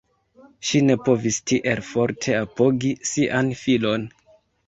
Ŝi ne povis tiel forte apogi sian filon.